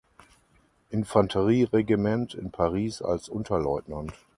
Infanterieregiment in Paris als Unterleutnant.